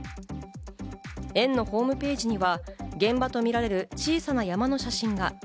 園のホームページには、現場とみられる小さな山の写真が。